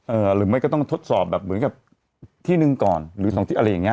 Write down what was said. หรือไม่ก็ต้องทดสอบแบบเหมือนกับที่หนึ่งก่อนหรือสองที่อะไรอย่างเงี้